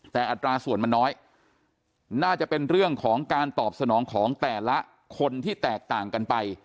แต่อัตราส่วนมันน้อยน่าจะเป็นเรื่องของการตอบสนองของแต่ละคนที่แตกต่างกันไป